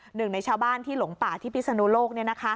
หนึ่งในชาวบ้านที่หลงป่าที่พิศนุโลก